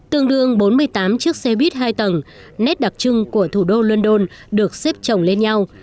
tương đương bốn mươi tám chiếc xe buýt hai tầng nét đặc trưng của thủ đô london được xếp trồng lên nhau